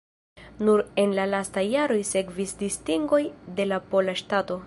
Nur en la lastaj jaroj sekvis distingoj de la pola ŝtato.